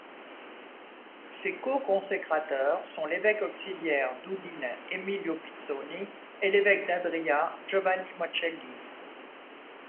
Ses coconsécrateurs sont l'évêque auxiliaire d'Udine Emilio Pizzoni et l'évêque d'Adria Giovanni Mocellini.